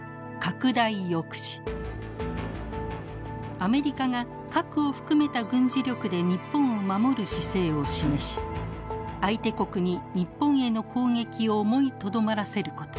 アメリカが核を含めた軍事力で日本を守る姿勢を示し相手国に日本への攻撃を思いとどまらせること。